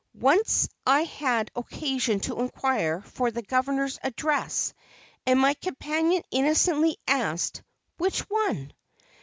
Once I had occasion to inquire for the governor's address, and my companion innocently asked, "Which one?"